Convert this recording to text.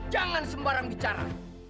jangan sembarang bicara